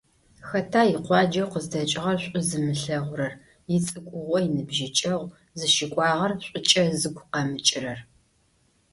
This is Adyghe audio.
Хэта икъуаджэу къыздэкӏыгъэр шӏу зымылъэгъурэр, ицӏыкӏугъо - иныбжьыкӏэгъу зыщыкӏуагъэр шӏукӏэ зыгу къэмыкӏырэр?